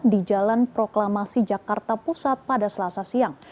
di jalan proklamasi jakarta pusat pada selasa siang